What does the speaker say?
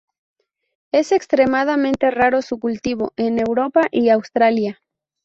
Es extremadamente raro su cultivo en Europa, y Australasia.